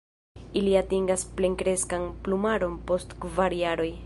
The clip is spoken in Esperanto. Ili atingas plenkreskan plumaron post kvar jaroj.